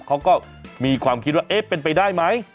เขาก็มีความคิดว่าเอ๊ะเป็นไปได้ไหม